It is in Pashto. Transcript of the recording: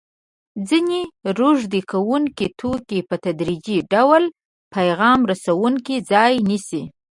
ځیني روږدي کوونکي توکي په تدریجي ډول پیغام رسوونکو ځای نیسي.